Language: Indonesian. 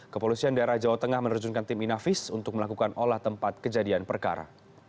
kepolisian daerah jawa tengah menerjunkan tim inavis untuk melakukan olah tempat kejadian perkara